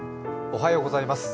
おはようございます。